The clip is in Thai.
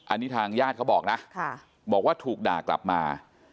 อันนี้ทางญาติเขาบอกนะบอกว่าถูกด่ากลับมา